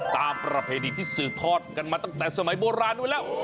ตามประเภทที่สื่อทอดกันมาตั้งแต่สมัยโบราณด้วยแล้ว